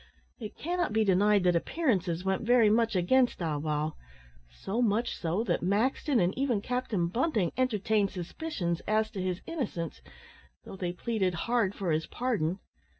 It cannot be denied that appearances went very much against Ah wow so much so, that Maxton, and even Captain Bunting, entertained suspicions as to his innocence, though they pleaded hard for his pardon.